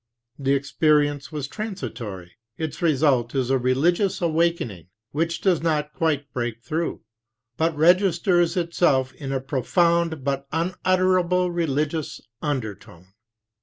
The experience was transitory. Its result is a religious awakening which does not quite break through, but registers itself in a profound but unutterable religious undertone.